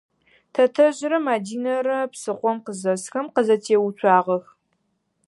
Тэтэжърэ Мадинэрэ псыхъом къызэсхэм къызэтеуцуагъэх.